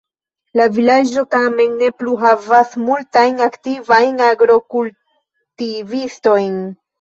La vilaĝo tamen ne plu havas multajn aktivajn agrokultivistojn.